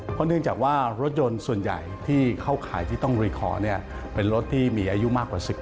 เพราะเนื่องจากว่ารถยนต์ส่วนใหญ่ที่เข้าข่ายที่ต้องรีขอเป็นรถที่มีอายุมากกว่า๑๘